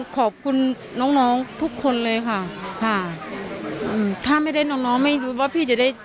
ขอบคุณน้องน้องทุกคนเลยค่ะค่ะอืมถ้าไม่ได้น้องน้องไม่รู้ว่าพี่จะได้